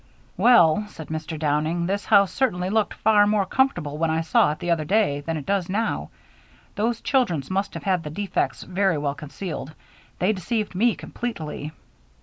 "Well," said Mr. Downing, "this house certainly looked far more comfortable when I saw it the other day than it does now. Those children must have had the defects very well concealed. They deceived me completely."